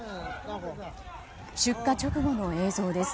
出火直後の映像です。